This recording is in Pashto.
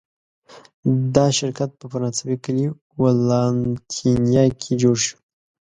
دا شرکت په فرانسوي کلي ولانتینیه کې جوړ شو.